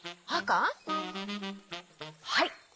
はい。